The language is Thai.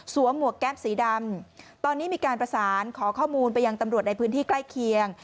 หมวกแก๊ปสีดำตอนนี้มีการประสานขอข้อมูลไปยังตำรวจในพื้นที่ใกล้เคียง